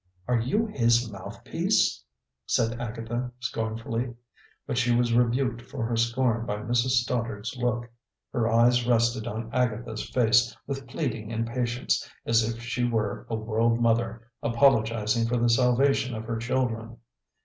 "Are you His mouthpiece?" said Agatha scornfully. But she was rebuked for her scorn by Mrs. Stoddard's look. Her eyes rested on Agatha's face with pleading and patience, as if she were a world mother, agonizing for the salvation of her children.